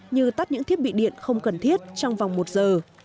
như tắt những thiết bị điện không cần thiết trong vòng một giờ